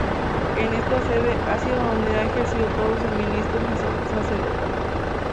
En esta sede ha sido donde ha ejercido todo su ministerio sacerdotal.